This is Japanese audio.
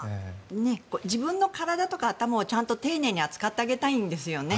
自分の体とか頭を丁寧に扱ってあげたいんですよね。